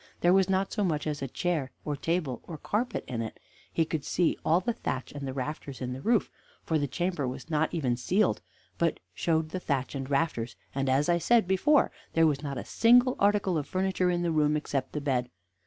There was not so much as a chair or table or carpet in it; he could see all the thatch and the rafters in the roof, for the chamber was not even ceiled, but showed the thatch and rafters, and, as I said before, there was not a single article of furniture in the room, except the bed.